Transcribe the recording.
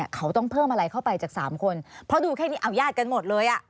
เขาต้องเพิ่มอะไรเข้าไปจาก๓คนเพราะดูแค่นี้เอาญาติกันหมดเลยอ่ะ